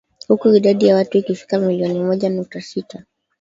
Huku idadi ya watu ikifikia milioni moja nukta Sita